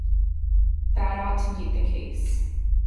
That ought to meet the case.